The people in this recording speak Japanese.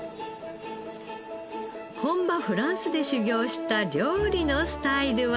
本場フランスで修業した料理のスタイルは。